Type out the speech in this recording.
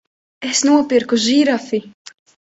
Es nopirku žirafi!